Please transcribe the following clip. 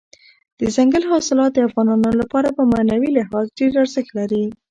دځنګل حاصلات د افغانانو لپاره په معنوي لحاظ ډېر ارزښت لري.